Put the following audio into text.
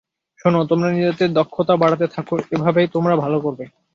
শোনো, তোমরা নিজেদের দক্ষতা বাড়াতে থাকো, এভাবেই তোমরা ভালো করবে।